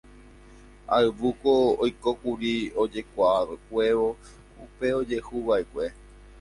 Ayvúko oikókuri ojekuaakuévo upe ojehuva'ekue.